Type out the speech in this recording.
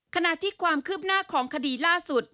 ขณะที่ความคืบหน้าของคดีล่าสุด